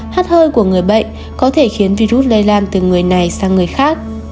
hát hơi của người bệnh có thể khiến virus lây lan từ người này sang người khác